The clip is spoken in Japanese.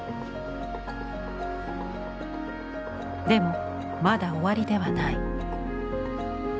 でもまだ終わりではない。